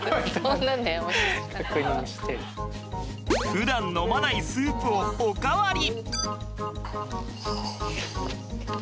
ふだん飲まないスープをおかわり！